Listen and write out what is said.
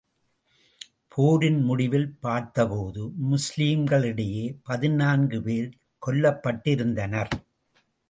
போரின் முடிவில் பார்த்தபோது, முஸ்லிம்களிடையே பதினான்கு பேர் கொல்லப்பட்டிருந்தனர்.